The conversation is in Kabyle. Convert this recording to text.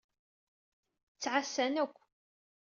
Ttɛasan akk.